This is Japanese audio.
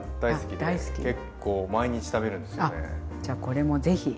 じゃこれも是非。